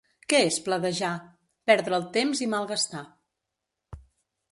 Què és pledejar? Perdre el temps i malgastar.